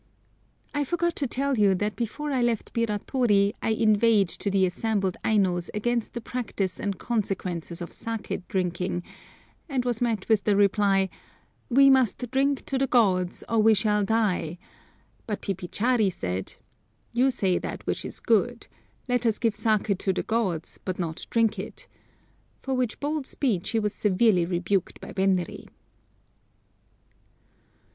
I forgot to tell you that before I left Biratori, I inveighed to the assembled Ainos against the practice and consequences of saké drinking, and was met with the reply, "We must drink to the gods, or we shall die;" but Pipichari said, "You say that which is good; let us give saké to the gods, but not drink it," for which bold speech he was severely rebuked by Benri.